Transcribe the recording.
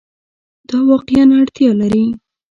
دا واقعیا اړتیا لري